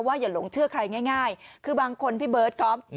อย่าหลงเชื่อใครง่ายคือบางคนพี่เบิร์ตก๊อฟ